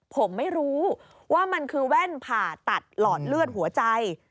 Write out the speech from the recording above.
ผมไม่รู้ว่ามันคือแว่นผ่าตัดหลอดเลือดหัวใจ